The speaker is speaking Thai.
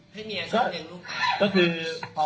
เพื่อเมียเขาเลี้ยงลูกไป